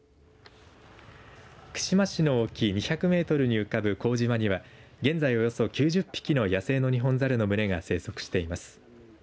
串間市の沖２００メートルに浮かぶ幸島には現在およそ９０匹の野生のニホンザルの群れが生息しています。